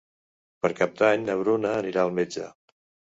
Per Cap d'Any na Bruna anirà al metge.